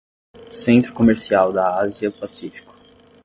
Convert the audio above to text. Centro comercial da Ásia-Pacífico